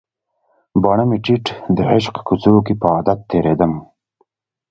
باڼه مې ټیټ د عشق کوڅو کې په عادت تیریدم